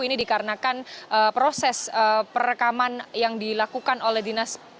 ini dikarenakan proses perekaman yang dilakukan oleh dinas